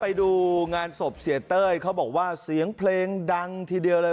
ไปดูงานศพเสียเต้ยเขาบอกว่าเสียงเพลงดังทีเดียวเลย